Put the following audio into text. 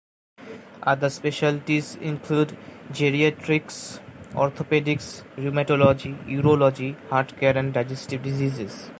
Other specialties include geriatrics, orthopedics, rheumatology, urology, heart care and digestive diseases.